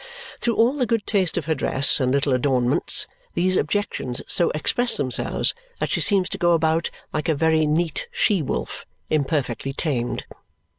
Through all the good taste of her dress and little adornments, these objections so express themselves that she seems to go about like a very neat she wolf imperfectly tamed.